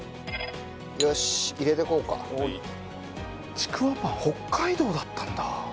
ちくわパン北海道だったんだ。